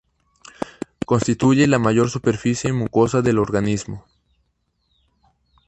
Constituye la mayor superficie mucosa del organismo.